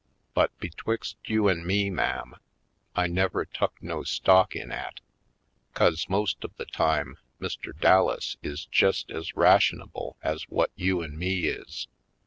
But betwixt you an' me, ma'am, I never tuk no stock in 'at, 'cause most of the time Mr. Dallas is jest ez rationable ez whut you an' me is.